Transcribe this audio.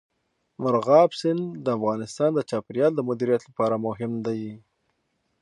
مورغاب سیند د افغانستان د چاپیریال د مدیریت لپاره مهم دي.